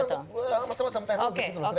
untuk keuntungan macam macam teknologi gitu